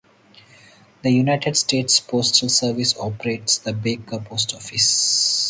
The United States Postal Service operates the Baker Post Office.